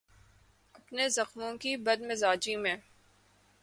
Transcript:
اپنے زخموں کی بد مزاجی میں